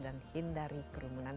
dan hindari kerumunan